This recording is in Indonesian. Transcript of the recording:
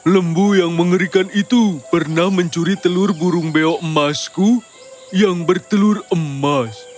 lembu yang mengerikan itu pernah mencuri telur burung beok emasku yang bertelur emas